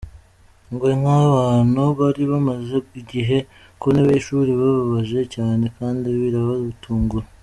Ngo nk’abantu bari bamaze igihe ku ntebe y’ishuri byababaje cyane kandi birabatungura.